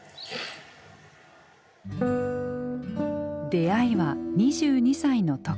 出会いは２２歳の時。